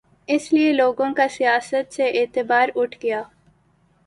اس لیے لوگوں کا سیاست سے اعتبار اٹھ گیا۔